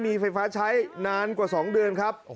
มีไฟฟ้าใช้นานกว่า๒เดือนครับ